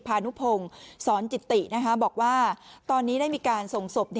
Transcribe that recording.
พานุพงศรจิติบอกว่าตอนนี้ได้มีการส่งศพ